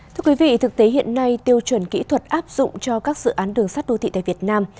thưa quý vị thực tế hiện nay tiêu chuẩn kỹ thuật áp dụng cho các dự án đường sắt đô thị tại việt nam